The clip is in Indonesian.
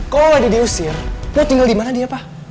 kalau lady diusir mau tinggal dimana dia pa